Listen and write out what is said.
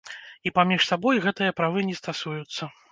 І паміж сабой гэтыя правы не стасуюцца.